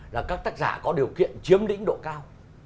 là các tác giả có điều kiện chiếm lĩnh độ cao